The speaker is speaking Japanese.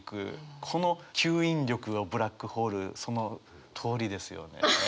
この吸引力をブラックホールそのとおりですよね。